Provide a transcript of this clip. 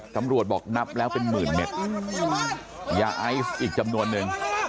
ตำรวจบอกนับแล้วเป็นหมื่นเม็ดยาไอซ์อีกจำนวนนึง